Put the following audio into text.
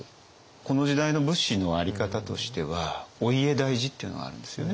この時代の武士のあり方としてはお家大事っていうのがあるんですよね。